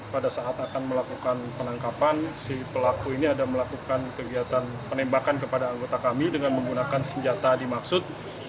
pelaku ini ada melakukan kegiatan penembakan kepada anggota kami dengan menggunakan senjata dimaksud